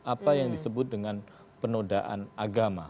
apa yang disebut dengan penodaan agama